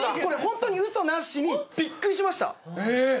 これホントに嘘なしにビックリしましたえっ！？